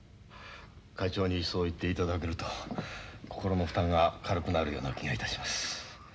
会長にそう言っていただけると心の負担が軽くなるような気がいたします。